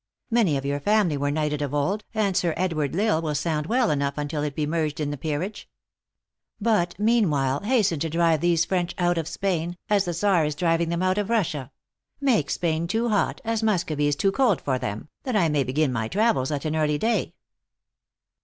Many of your family were knighted of old, and Sir Edward L Isle will sound well enough until it be merged in the peerage. But mean while hasten to drive these French out of Spain, as the czar is driving them out of Russia ; make Spain too hot, as Muscovy is too cold for them, that I may begin my travels at an early day."